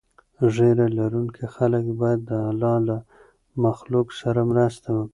ږیره لرونکي خلک باید د الله له مخلوق سره مرسته وکړي.